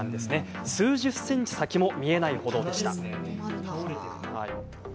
数十センチ先も見えないほどだったんです。